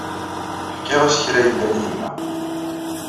Ḥkiɣ-as kra yellan i yemma.